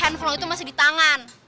handphone flow itu masih di tangan